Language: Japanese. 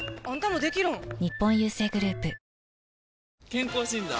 健康診断？